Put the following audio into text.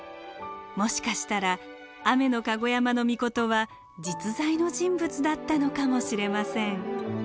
もしかしたら天香山命は実在の人物だったのかもしれません。